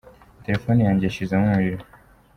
Telefoni yanjye yashizemo umuriro.